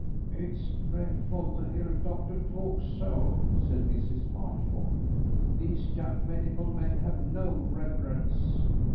"It's dreadful to hear a doctor talk so," said Mrs. Marchbold; "these young medical men have no reverence."